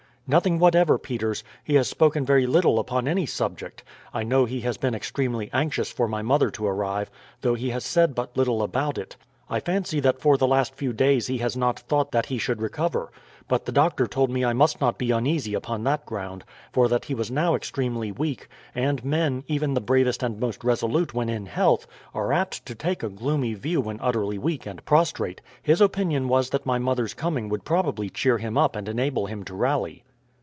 "Nothing whatever, Peters. He has spoken very little upon any subject. I know he has been extremely anxious for my mother to arrive, though he has said but little about it. I fancy that for the last few days he has not thought that he should recover. But the doctor told me I must not be uneasy upon that ground, for that he was now extremely weak, and men, even the bravest and most resolute when in health, are apt to take a gloomy view when utterly weak and prostrate. His opinion was that my mother's coming would probably cheer him up and enable him to rally.